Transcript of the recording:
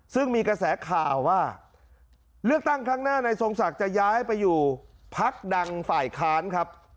ซึ่งมีกระแสข่าวว่าเลือกตั้งครั้งหน้านายทรงศักดิ์จะย้ายไปอยู่พักดังฝ่ายค้านครับ